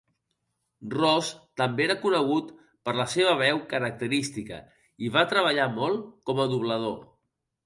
Ross també era conegut per la seva veu característica i va treballar molt com a doblador.